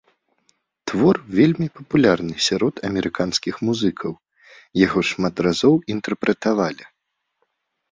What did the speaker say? Твор вельмі папулярны сярод амерыканскіх музыкаў, яго шмат разоў інтэрпрэтавалі.